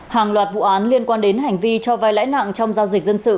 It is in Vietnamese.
hàng loạt vụ án liên quan đến hành vi cho vai lãi nặng trong giao dịch dân sự